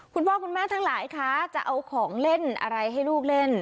คุณพ่อคุณแม่ทั้งหลายคะจะเอาของเล่นอะไรให้ลูกเล่น